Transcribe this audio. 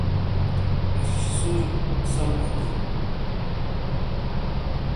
اش سُوریک سم کھاتِیں۔